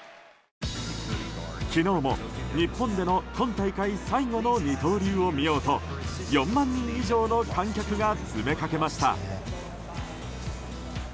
昨日も日本での今大会最後の二刀流を見ようと４万人以上の観客が詰めかけました。